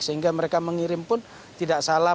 sehingga mereka mengirim pun tidak salah